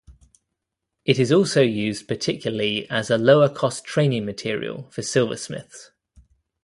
It is also used particularly as a lower-cost training material for silversmiths.